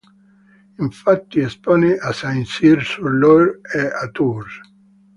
Infatti espone a St Cyr sur Loire e a Tours.